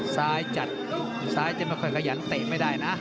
ซ้ายจัดซ้ายจะไม่ค่อยขยันเตะไม่ได้นะ